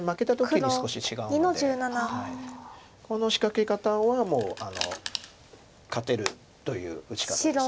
この仕掛け方はもう勝てるという打ち方です。